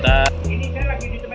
dan yang berada di sini ya